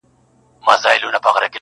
پېغلي نه نيسي د اوښو پېزوانونه-